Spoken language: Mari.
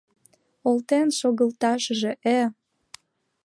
— Олтен шогылташыже-э...